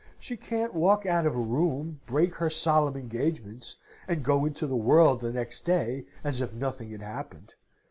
She can't walk out of a room, break her solemn engagements, and go into the world the next day as if nothing had happened!